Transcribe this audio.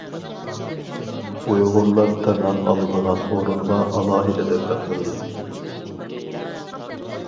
ئۇيغۇرلار تىرناق ئالىدىغان ئورۇنغا ئالاھىدە دىققەت قىلىدۇ.